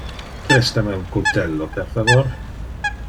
Presta me un cultello, per favor.